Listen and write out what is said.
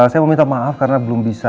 saya mau minta maaf karena belum bisa